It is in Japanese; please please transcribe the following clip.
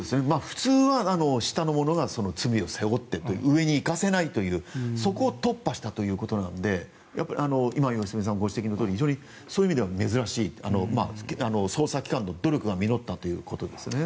普通は下の者が罪を背負って上に行かせないというそこを突破したということなので今、良純さんがご指摘のとおり非常にそういう意味では珍しい捜査機関の努力が実ったということですね。